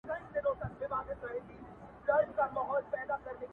اه بې خود د اسمان ستوري په لړزه کړي,